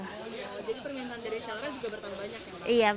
oh iya jadi permintaan dari resellernya juga bertambah banyak ya mbak